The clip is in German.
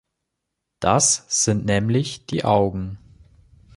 Das sind nämlich die Augen.